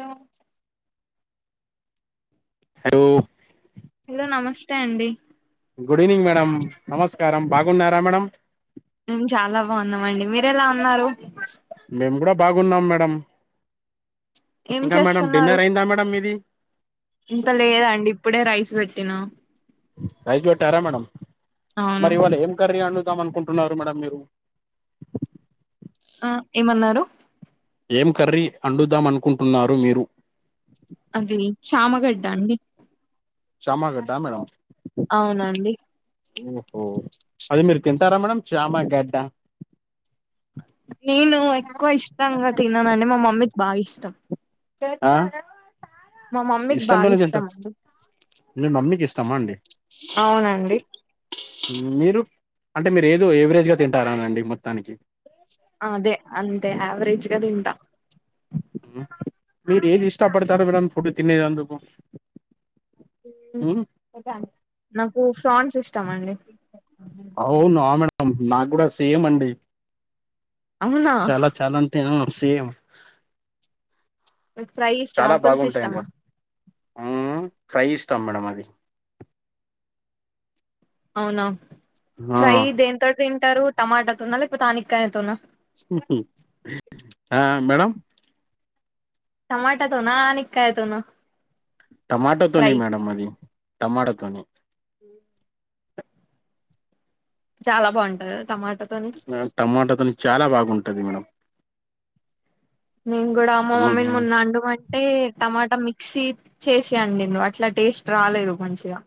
Hello hello hello నమస్తే అండి good evening madam నమస్కారం బాగున్నారా మేడం మేం చాలా బాగున్నామ అండి మీరు ఎలా ఉన్నారు మేము కూడా బాగున్నాం మేడం ఏం ఇంకా మేడం చేస్తున్నారు డిన్నర్ అయిందా మేడం మీది ఇంక లేదండి ఇప్పుడే రైస్ పెట్టినా రైస్ పెట్టరా మేడం అవును మరి ఇవాళ ఏం కర్రీ వండు వండుదాం అనుకుంటున్నారు మేడం మీరు ఆ ఏమన్నారు ఏం కర్రీ వండుదాం అనుకుంటున్నారు మీరు అది చామగడ్డ అండి చామగడ్డా మేడం అవునండి ఓహో అది మీరు తింటారా మేడం చామగేడ్డ నేను ఎక్కువ ఇష్టంగా తిననండి మా మమ్మీకి బాగా ఇష్టం ఆ మా మమ్మీకి బాగా ఇష్టంతోనే ఇష్టం తింటారూ అండి మీ మమ్మీకి ఇష్ట టమా అండి అవునండి మీరు అంటే మీరు ఏదో ఎవరేజ్ గా తింటారానండి మొత్తానికి అదే అంతే యావరేజ్గా తింటా మీరు ఏది ఇష్టపడతారు మేడం ఫుడ్ తినేది అందుకు నాకు ఫ్రాన్స్ ఇష్టం అండి అవునా మేడం నాకు కూడా సేమ్ అండి అవునా చాల చాలంటే ఆ సేమ్ మీకు ఫ్రై ఇష్టమా చాలా పులుసు బాగుంటాయండి ఇష్టమా ఆ ఫ్రై ఇష్టం మేడం అది అవునా ఆ ఫ్రై దేంతోటి తింటారు టమాటాతోనా లేకపోతే ఆనకాయతోనా ఉ ఆ మేడం టమాటాతోనా ఆనిక్కాయ తోనా టమాటోతోని మేడం అది టమాటోతోని [inaudible] చాలా బాగుంటది కదా టమాట టమాటాతోని చాలా బాగుంటది మేడం నేను కూడా మా ఉమ్, మమ్మీని ఉమ్. మొన్న అండు మని అంటే టమాటా మిక్సీ చేసి అండిన్లు అట్లా టేస్ట్ రాలేదు మంచిగా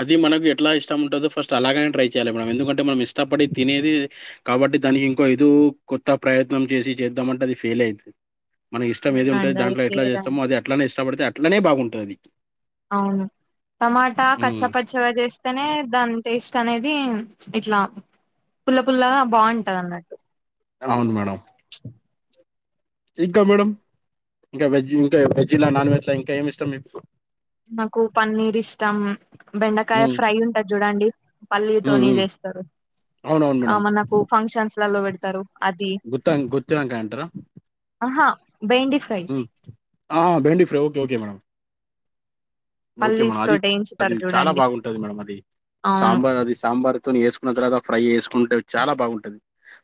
అది మనకు ఎట్లా ఇష్టం ఉంటుందో ఫస్ట్ అలాగనే ట్రై చేయాలి మనం ఎందుకంటే మనం ఇష్టపడి తినేది కాబ అంటే దాని ఇంకో ఏదో కొత్త ప్రయత్నం చేసి చేద్దామంటే అది ఫెయిల్ అయింది. మన ఇష్టం ఏది ఉంటది అవునండి అది దాంట్లో ఎట్ల ఫెయిల్ చేస్తమో అయింది అది అట్లనే ఇష్టపడితే అట్లనే బాగుంటది. అవును టమాటా కచ్చపచ్చగా చేస్తేనే దాని టేస్ట్ అనేది ఇట్లా పుల్ల పుల్లగా బాగుంటది అన్నట్టు అవును మేడం ఇంకా మేడం ఇంకా వెజ్ ఇంకా వెజ్లా నాన్ వెజ్లా ఇంక ఏమి ఇష్టం మీకు నాకు పన్నీర్ ఇష్టం బెండకాయ హ్మ్ ఫ్రై ఉంటది చూడండి. హ్మ్ పల్లితోని హ్మ్. చేస్తరు అవునవును ఆ మేడం. మనకు ఫంక్షన్స్ లలో పెడతారు అది గుతం గుత్తి వంకాయ అంటారా ఆహా బెండి ఫ్రై ఆ బెండి fry okay okay madam. Okay పల్లీస్ మేడం అది తోటి అది వేయించుతారు చాలా చూడండి బాగుంటది మేడం అది అవును సాంబార్ అది సాంబార్తోని వేసుకున్న తర్వాత ఫ్రై ఉంటది చాలా బాగుంటది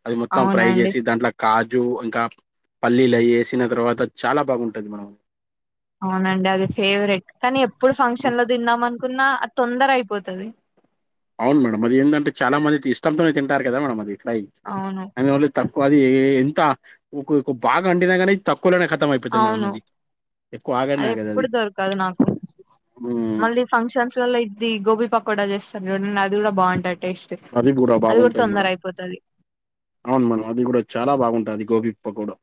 అది మొత్తం ఫ్రై అవునండి చేసి దాంట్లో కా జు ఇంకా పల్లీలు అయి వేసిన తర్వాత చాలా బాగుంటది మేడం అవునండి అది ఫేవరెట్ కానీ ఎప్పుడు హ్మ్. ఫంక్షన్ లో తిందాం అనుకున్నా తొందర అయిపోతది అవును మేడం అది ఏందంటే చాలా మంది ఇష్టంతోనే తింటారు కదా మేడం అది ఇట్లా అవును ఓన్లీ వాళ్ళు ఏస్తా అది ఎంత బాగా అండినా కానీ లానే కతం అయిపోతది మేడం అవును అది ఎక్కువ ఆగానే ఆగదు ఎప్పుడు అది దొరకదు నాకు మళ్ళీ ఫంక్షన్స్లల్లో ఇది గోబి కూడా చేస్తారు చూడండి అది కూడా బాగుంటది టేస్ట్ గూడా అది కూడా బాగుంటది మేడం. తొందర అయిపోతది. అవును మనం అది కూడా చాలా బాగుంటది గోబీ పకోడా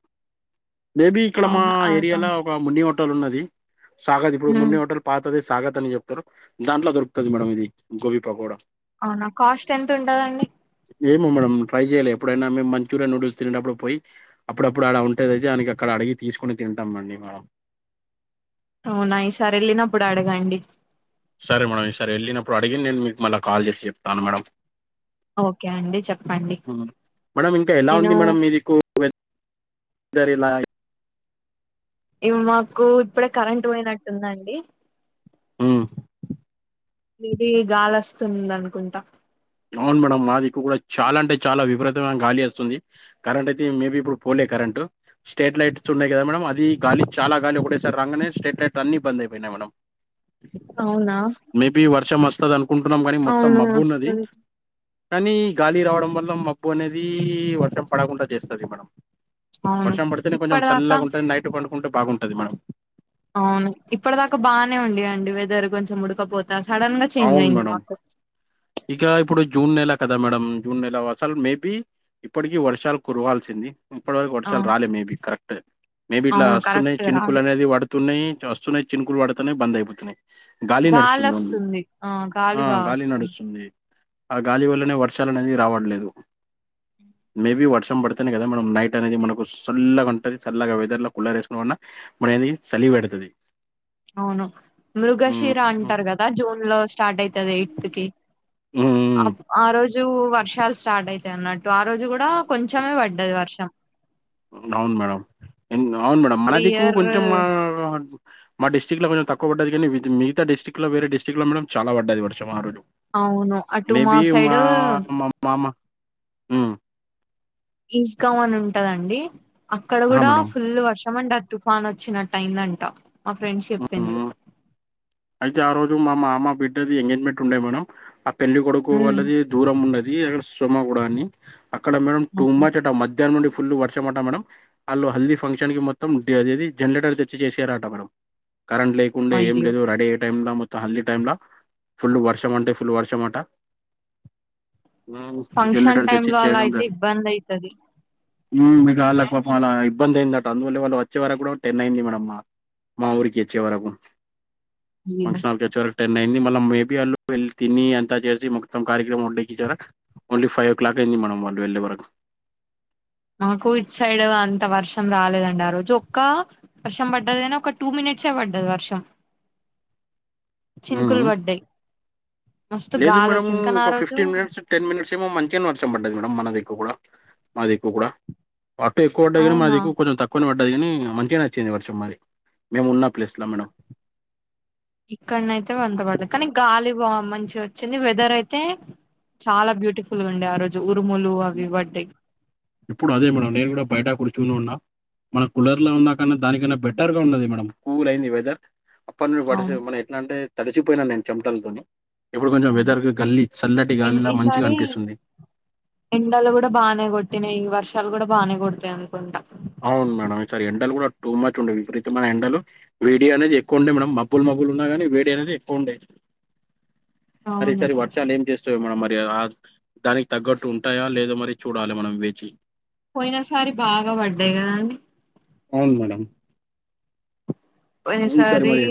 మేబి ఇక్కడ మా అవునా అది ఏరియాలో బాగుంటది ఒక మున్ని హోటల్ ఉన్నది సాగదు ఇప్పుడు హ్మ్ మున్ని హోటల్ పాతదె సాగతు అని చెప్తారు దాంట్లో దొరుకుతది మేడం ఇది గోబీ పకోడా అవునా కాస్ట్ ఎంత ఉంటదండి ఏమో మేడం ట్రై చేయలే అప్పుడైనా మేము మంచూరియన్ న్యూడిల్స్ తినేటప్పుడు పోయి అప్పుడప్పుడు అడ ఉంటది అయితే వానికి అక్కడ అడిగి తీసుకోని తింటాం మేడం. ఆ అవునా ఈసారి వెళ్ళినప్పుడు అడగండి. సరే మేడం ఈసారి వెళ్ళినప్పుడు అడిగింది నేను మీకు మళ్ళీ కాల్ చేసి చెప్తాను మేడమ్ ఓకే అండి చెప్పండి మేడమ్ ఇంకా ఎలా నేను ఉంది మేడం మీ దిక్కూ సరే ల ఇపుడు మాకు ఇప్పుడే కరెంట్ పోయినట్టుందండి ఉ ఇది గాలి అస్తుంది అనుకుంటా అవును మేడం మాదిక్కు కూడా చాలా అంటే చాలా విపరీతమైన గాలి వస్తుంది కరెంట్ అయితే మేబి ఇప్పుడు పోలే కరెంట్ స్ట్రీట్ లైట్స్ ఉన్నాయి కదా మేడం అది గాలి చాలా గాలి ఒకటేసారి రాంగనే స్ట్రీట్ లైట్ అన్ని బంద్ అయిపోయినాయి మేడం. అవునా మేబి వర్షం వస్తది అనుకుంటున్నాం కానీ మొత్తం అవును మబ్బు ఉన్నది. వస్తది కానీ గాలి రావడం వల్ల మబ్బు అనేది వర్షం పడకుండా చేస్తది మేడం. అవును వర్షం పడితేనే కొంచెం ఇప్పటిదాకా చల్లగా ఉంటది నైట్ పడుకుంటే బాగుంటది మేడం. అవును ఇప్పటి దాకా బానే ఉంది కదా అండి వెదర్ కొంచెం ఉడకపోత సడన్ గా చేంజ్ అవును అయింది మేడం మాకు ఇక ఇప్పుడు జూన్ నెల కదా మేడం. జూన్ నెల అసలు మేబి ఇప్పటికీ వర్షాలు కురవాల్సింది. ఇప్పటి వరకు వర్షాలు అవును రాలే మేబీ కరెక్ట్ మేబి ఇట్లా అవును వస్తున్నాయి కరెక్ట్ చినుకులు రాలే అనేది పడుతున్నాయి. వస్తున్నాయి చినుకులు పడుతున్నాయి బంద్ అయిపోతున్నాయి. గాలి నడుస్తుంది ఓన్లీ వస్తుంది ఆ ఆ బాగా గాలి నడుస్తు వస్తుంది ఆ గాలి వల్లనే వర్షాల అనేది రావడలేదు. మేబీ వర్షం పడుతనే కదా మనం నైట్ అనేది మనకు సల్లగా ఉంటుంది. చల్లగా వెదర్ లో కూలర్ వేసుకోన్న మూడు అయింది సలి పెడుతది అవును హ్మ్ మృగశిర హ్మ్ అంటారు కదా జూన్ లో స్టార్ట్ అయితది ఎయిత్ కి అ హ్మ్ ఆరోజు జు వర్షాలు స్టార్ట్ అయితాయి అన్నట్టు ఆ రోజు కూడా కొంచెమే పడ్డది వర్షం. అవును మేడం ఇన్ అవును మేడం ఎవ్రీ మనదికు ఇయర్ కొంచెం మా మా డిస్టిక్ లో కొంచం తక్కు పడ్డది కానీ, వితు మిగాత డిస్ట్రిక్ట్ లో, వేరే డిస్టిక్ లో మేడం చాల పడ్డది వర్షం ఆరోజు. అవును అటు మేబి సైడ్ మా మామ ఉ ఈజ్ గవన్ ఉంటదండి అక్కడ ఆ! కూడా మేడం. ఫుల్ వర్ష ఏమంట ఆ తుఫాన్ వచ్చినటైందంట మా ఫ్రెండ్స్ చెప్పిండ్రు. హ్మ్. అయితే ఆ రోజు మా మామ బిడ్డది ఎంగేజ్మెంట్ ఉండే మేడమ్ ఆ పెళ్లి కొడుకు హ్మ్. వాళ్ళది దూరం వున్నది. ఈ అగడ సోమగూడ అని అక్కడ మేడం టూ ఓకే. మచ్ అట మధ్య మధ్యాహ్నం నుండి ఫుల్ వర్షమంట మేడం వాళ్ళు హల్దీ ఫంక్షన్ కి మొత్తం అది జనరేటర్ తెచ్చి చేసారట మేడం. కరెంట్ లేకుండా ఏం అయ్యో! లేదు రయ్ టైమలముత హల్దీ టైమ్ ల ఫుల్ వర్ష మంటే ఫుల్ వర్ష మట మ్ ఫంక్షన్ జనరేటర్ తెచ్చి టైమ్‌లో ఇచ్చేది అలా రూమ్ ల అయితే ఇబ్బందయితది. మ్ మీకు వాళ్ళక వాళ్ ఇబ్బంది అయిందిందటా. అందువల్ల వాళ్ళు వచ్చే వరకు కూడా టెన్ అయింది మేడమ్ మా మా ఊరికి వచ్చేవరకు అయ్యో! ఫంక్షన్ హాల్ కి వచ్చేవరకు టెన్ అయి మళ్ళీ మలం మేబీ వాళ్ళు వెళ్ళి తినీ అంత చేసి మొత్తం కార్యక్రమండేకి చరా ఓన్లీ ఫైవ్ ఓ క్లాక్ అయింది మ మనం వాళ్ళు వెళ్లే వరకు మాకు ఇట్ సైడ్ అంత వర్షం రాలేదండి ఆరోజు ఒక్క వర్షం పడ్డది కాని ఒక టూ మినిట్ ఇచ్చే పడ్డదు వర్షం చిన్కుల్ ఉమ్. వడ్డయి లేదు మేడం ఒక ఫిఫ్టీన్ మినిట్స్, టెన్ మినిట్స్ ఏమో మంచిగా వర్షం పడ్డది మేడం మన దగ్గర కూడా మాది ఎక్కువ కూడా అటు ఎక్కువ పడ్డా కానీ మాది అవునా? ఎక్కువ కొంచెం తక్కువనే ప డ్డది కాని మంచిగానే వచ్చింది వర్షం మాది మేము ఉన్న ప్లేస్ లో మేడం. ఇక్కడన అయితే వంత పడలేదు. కానీ గాలి బా మంచిగా వచ్చింది వెదర్ అయితే చాలా బ్యూటిఫుల్ గా ఉండే ఆ రోజు ఉరుములు అవి వడ్డీ ఇప్పుడు అదే మేడం నేను కూడా బయట కూర్చుని ఉన్నా మనం కూలర్ లో ఉన్నా కాన్నా దానికన్నా బెటర్ గా ఉన్నది మేడం కూల్ అయింది వెదర్ అప్పటి ను అవును. వర్షం మన ఎట్లా అంటే తడిసిపోయినా నేను చెమటలతోని ఇప్పుడు కొంచెం అవును. వెదర్ గల్లి చల్లటి ఎన్ గాలిలా మంచిగా ఈసారి అనిపిస్తుంది. ఎండలు కూడా బానే కొట్టినాయి. ఈ వర్షాలు కూడా బానే కొడతాయి అనుకుంటా అవును మేడం ఈసారి ఎండలు కూడా టూ మచ్ ఉండే విపరీతమైన ఎండలు వేడి అనేది ఎక్కువ ఉండే మేడం మబ్బల్ మబ్బులన్న గానీ వేడి అనేది ఎక్కువ ఉండే [inaudible] మరి ఈ అవును. సరి వర్షాలు ఏం చేస్ స్తయో మనం మరి ఆ దానికి తగ్గట్టు ఉంటాయా లేదో మరి చూడాలి మనం వేచి పోయిన సారి బాగా పడ్డాయి కదండి అవును మేడం ఈసారి పోయినసారి మరి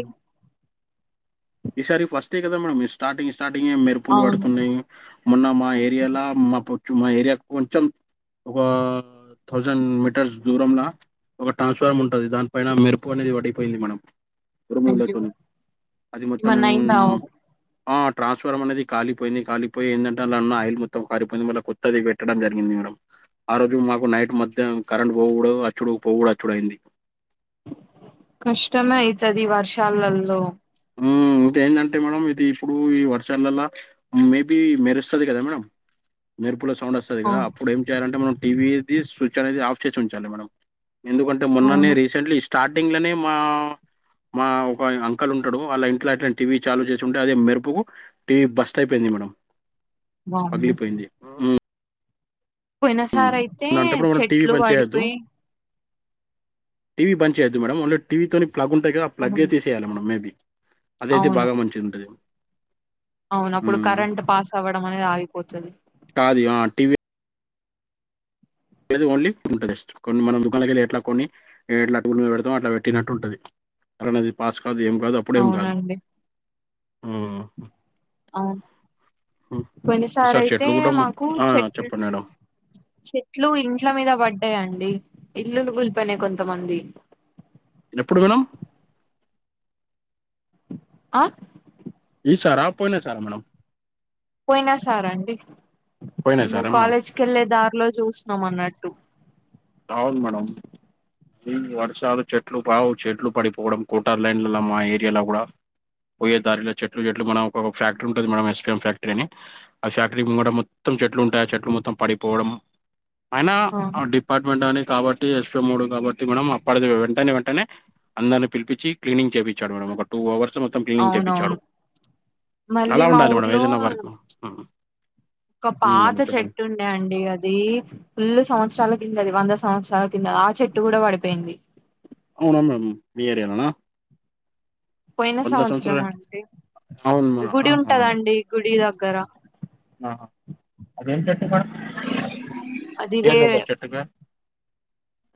ఈసారి ఫస్టే కదా మేడం మీ స్టార్టింగ్ స్టార్టింగే మెరుపులు అవును పడుతున్నాయి మొన్న మా ఏరియాలో మా పచ్చు మా ఏరియా కొంచెం ఒక థౌజండ్ మీటర్స్ దూరంలో ఒక ట్రాన్స్ఫార్మ్ ఉంటది దానిపైన మెరుపు అనేది పడిపోయింది మేడం అయ్యో ఉరుములు అది మొత్తం ఏమన్నా అయిందా ఆ ట్రాన్స్ఫారంమ్ అనేది కాలియింది కాలిపోయి ఏందంటే అల్ల ఉన్న అయిల్ మొత్తం కాలిపోయింది మళ్ళీ కొత్తది పెట్టడం జరిగింది మేడం [inaudible] ఆ రోజు మాకు నైట్ మొత్తం కరెంట్ పోవుడు అచ్చుడు పోవుడు అచ్చుడు అయింది కష్టమే అవుతది వర్షాలలో మ్ ఇంకా ఏందంటే మేడం ఇది ఇప్పుడు ఈ వర్షాలల్ల మేబి మేరుస్తది కదా మేడం మెర్పుల సౌండ్ వస్తది కదా అవును అప్పుడు ఏం చేయాలంటే మనం టీవీది స్విచ్ అనేది ఆఫ్ చేసి ఉంచాలి మేడం ఎందుకంటే మొన్ననే అవును రీసెంట్లీ స్టార్టింగ్ లోనే మా మా అంకల్ ఉంటాడు అలా ఇంట్ అట్లా టీవీ చాలుూ చేసి ఉంటే అదే మెరుపుకు టీవీ బస్ట్ అయిపోయింది మేడం పగలిపోయింది మ్ పోయిన సార్ అయితే అలాంటప్పుడు మనం టీవీ చెట్లు బంద్ చేయొద్దు పడిపోయి టీవీ బంద్ చేయొద్దు మేడం ఓన్లీ టీవీతోని ప్లగ్ ఉంటది కదా ఆ ప్ల్ే అవును తీసేయాలి మేడం మేబీ అదైతే అవును బాగా మంచిగుంటది అవును అప్పుడు కరెంట్ పాస్ అవ్వడం అనేది ఆగిపోతుంది కాదు ఆ టీవీ ఓన్లీ ఉంటుంది కొన్ని మనం దుకాణకేళ్ళి ఎట్లా కొన్ని ఎట్లా పెడుతామొ అట్లా పెట్టినట్టు ఉంటది రేన్ అనేది పాస్ కాదు ఏం కాదు అప్పుడేం కాదు అవునండి అ అవును కొన్నిసారి సార్ అయితే చెట్లు కూడా మ మాకు ఆ చెట్లు చెప్పండి మేడం చెట్లు ఇ ట్ల మీద పడ్డాయండి ఇల్లులు కూలిపోయినాయి కొంతమందియి ఎప్పుడు మేడం ఆ ఈ సర పోయినా సార మేడం పోయినా సారి అండి పోయినా మేము సారా మేడం కాలేజ్కి వెళ్ళే దారిలో చూసిన్నాం అన్నట్టు అవును మేడం వర్షాలు చెట్లు పావు చెట్లు పడిపోవడం కోటార్ లైన్లల్ల మా ఏరియాల కూడా పోయే దారిలో చెట్లు చెట్లు మనం ఒక ఫ్యాక్టరీ ఉంటది మేడం ఎస్ం ఫ్యాక్టరీ అని ఆ ఫ్యాక్టరీ మూగట మొత్తం చెట్లు ఉంటాయి చెట్లు మొత్తం పడిపోవడం అయినా ఆ అ డిప్ ని కాబట్టి ఎస్ో మూడు కాబట్టి మేడం అప్పడిది వెంటనే వెంటనే అందరిని పిలిించి క్లీనింగ్ చేపించాడు మేడం ఒక టూ అవర్స్ లనే మొత్తం క్లీనింగ్ చేపించడు అవునవును మళ్ళీ అలా మా ఉండాలి మేడం ఊర్లో ఏదైనా వర్క్ మ్ ఒక పాత చెట్టు ఉండే అండి అది ఫుల్ సంవత్సరాల కిందది వంద సంవత్సరాల కింద ఆ చెట్టు కూడా పడిపోయింది అవునా మేడం మీ ఏరియాలన పోయిన సంవత్సరం అండి అవును మేడం గుడి ఆహా మేడం ఉంటదండి గుడి దగ్గర ఆహా అదేం చెట్టు మేడం అది వే పేరు ఉందా చెట్టుకి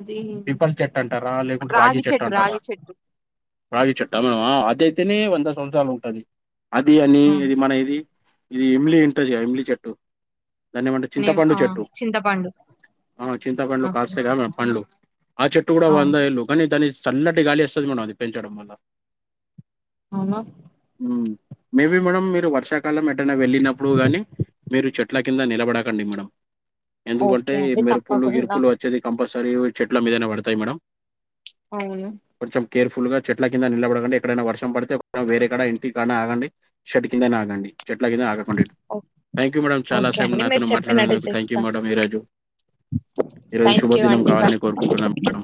అది పిపల్ చెట్టు అంటారా లేకుంటే రాగి చెట్టు అంటారా రావి చెట్ట మేడం అ అది అయితేనే వంద సంవత్సరాలు ఉంటది అది అని ఆ ఇది మన ఇది ఇది ఇమిలి ఇంటది ఇమ్లి చెట్టు దాని ఏమంటే నే చింతపండు ఆ చెట్టు చింతపండు ఆ చింతపండ్లు ఓకే కస్తయ్ గా మేడం పండ్లు ఆ చెట్టు కూడా అవును వందా ఏళ్ళు కానీ దని చల్లటి గాలి వస్తది మేడం అది పెంచడం వల్ల అవునా మ్మ్. మేబీ మేడం మీరు వర్షాకాలం ఎటైనా వెళ్ళినప్పుడు కనీ మీరు చెట్ల కింద నిలబడ కండి మేడం ఎందుకంటే ఓకే అండి మెరుపులు తప్పకుండా గిరుపులు వచ్చేది కంపల్ సరే చెట్ల మీదమే పడుతాయి మేడం అవును కొంచెం కేర్ఫుల్ గా చెట్ల కింద నిలబడకండి ఎక్కడైనా వర్షం పడితే వేరేక్కడ ఇంటికాడనే ఆగండి షేడ్డు కిందనే ఆగండి చెట్లకింద ఆగకండి థ్యాంక్ యూ మేడం చాలా ఓకే సమమ్ అండి మీరు నాతోని చెప్పినట్టు మాట్లాడేనందుకు థ్యాంక్ యూ చేస్తా మేడం ఈరోజు ఈరోజు థ్యాంక్ శుభ యూ దినం అండి బాయ్ కావాలని కోరుకుంటున్నా మేడం